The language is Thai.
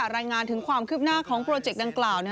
รายงานถึงความคืบหน้าของโปรเจกต์ดังกล่าว